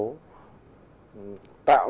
để tăng trưởng